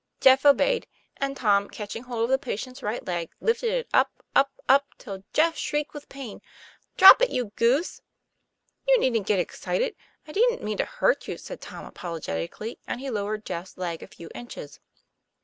Jeff obeyed, and Tom catching hold of the patient's right leg lifted it up, up, up, till Jeff shrieked with pain. "Drop it, you goose!" " You needn't get excited. I didn't mean to hurt you," said Tom, apologetically, and he lowered Jeff's leg a few inches.